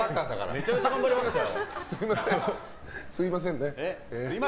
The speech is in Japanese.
めちゃめちゃ頑張りましたよ。